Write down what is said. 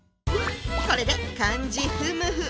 これで漢字ふむふ。